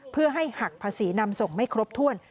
เพื่อให้หักภาษีนำส่งไม่ครบถ้วน